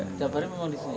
jawabannya memang di sini